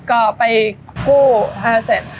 ก็ไปกู้๕แสน